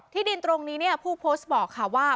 ดินตรงนี้ผู้โพสต์บอกค่ะว่า